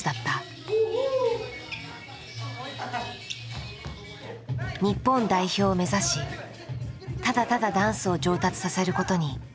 日本代表を目指しただただダンスを上達させることに夢中になっていた。